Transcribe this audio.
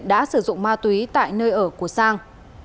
đã sử dụng ma túy tại nơi ở của sang